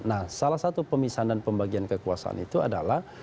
nah salah satu pemisahan dan pembagian kekuasaan itu adalah